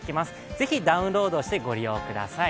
是非ダウンロードして、ご利用ください。